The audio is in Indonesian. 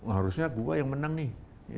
harusnya gue yang menang nih